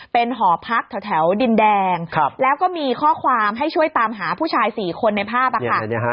เป็นหอพักแถวดินแดงแล้วก็มีข้อความให้ช่วยตามหาผู้ชาย๔คนในภาพค่ะ